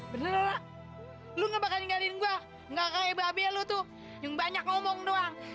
bener ra lo gak bakal ninggalin gue gak akan ebeh ebeh lo tuh yang banyak ngomong doang